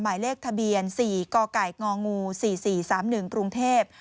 หมายเลขทะเบียนสี่กไก่งงูสี่สี่สามหนึ่งกรุงเทพ